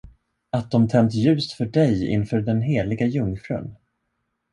Att de tänt ljus för dig inför den heliga jungfrun.